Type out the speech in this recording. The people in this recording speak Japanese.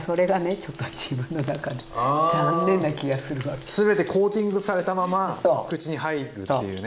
ちょっとああ全てコーティングされたまま口に入るっていうね。